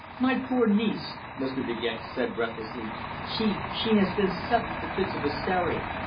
"My poor niece!" Mr. De Gex said breathlessly. "She she has been subject to fits of hysteria.